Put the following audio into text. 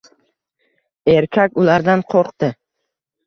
Erkak ulardan qo‘rqdi.